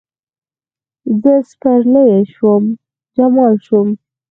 زر سپرلیه شوم، جمال شوم